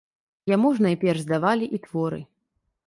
Яму ж найперш здавалі і творы.